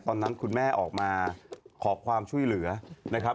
ตอนนั้นคุณแม่ออกมาขอความช่วยเหลือนะครับ